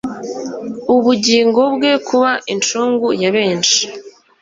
ubugingo bwe kuba incungu ya benshi